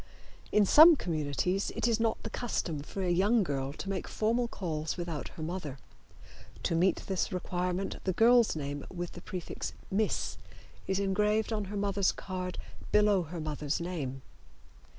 In some communities it is not the custom for a young girl to make formal calls without her mother. To meet this requirement the girl's name with the prefix "Miss" is engraved on her mother's card, below her mother's name.